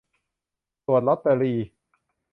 ตรวจลอตเตอรี